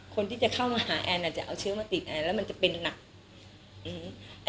คนที่จะเข้ามาหาแอนอาจจะเอาเชื้อมาติดแอนแล้วมันจะเป็นหนักอืม